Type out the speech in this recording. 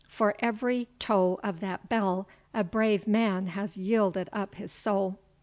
For every toll of that bell a brave man has yielded up his soul."